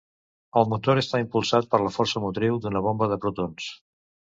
El motor està impulsat per la força motriu d'una bomba de protons.